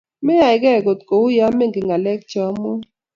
Meyaekei kot kouyo mengen ngalek cheamwoe